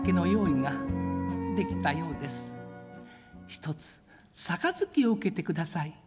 一つ盃を受けてください。